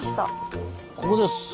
ここです。